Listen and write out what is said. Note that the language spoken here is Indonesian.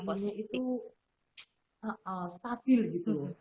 ibunya itu stabil gitu